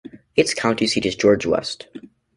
Its county seat is George West.